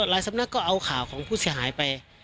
สำนักก็เอาข่าวของผู้เสียหายไป